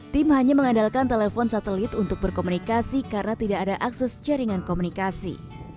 tim hanya mengandalkan telepon satelit untuk berkomunikasi karena tidak ada akses jaringan komunikasi